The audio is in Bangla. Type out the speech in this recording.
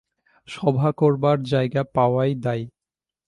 সভা করবার জায়গা পাওয়াই দায়।